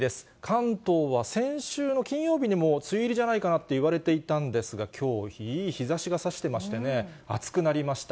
関東は先週の金曜日にも梅雨入りじゃないかなって言われていたんですが、きょう、いい日ざしがさしてましてね、暑くなりました。